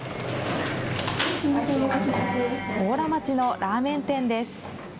邑楽町のラーメン店です。